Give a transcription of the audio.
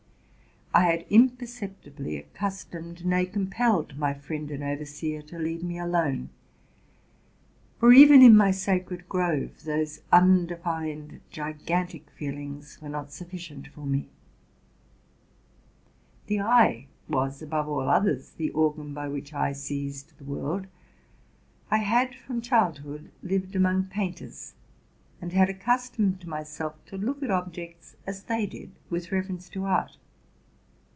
I had imperceptibly accustomed, nay, compelled, my friend and overseer to leave me alone; for, even in my sacred grove, those undefined, gigantic feelings were not sufficient for me. The eye was, above all others, the organ by which I seized the world. I had, from childhood, lived among painters, and had accustomed myself to look at objects, as they did, with reference to art.